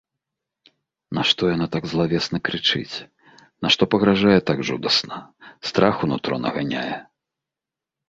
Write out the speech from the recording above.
Нашто яна так злавесна крычыць, нашто пагражае так жудасна, страх у нутро наганяе?